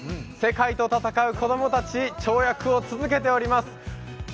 世界と戦う子供たち、跳躍を続けております。